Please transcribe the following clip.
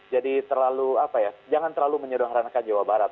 jadi jangan terlalu menyedongkan jawa barat